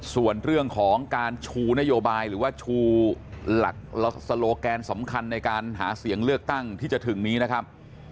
ส่วนเรื่องของการชูนโยบายหรือว่าชูหลักโซโลแกนสำคัญในการหาเสียงเลือกตั้งที่จะถึงนี้นะครับ